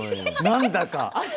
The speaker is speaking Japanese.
何だか。